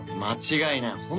間違いない。